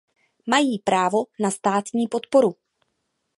Mají právo na státní podporu.